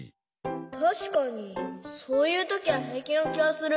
たしかにそういうときはへいきなきがする。